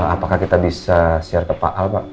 apakah kita bisa share ke pak al pak